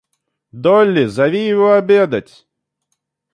Долли, зови его обедать!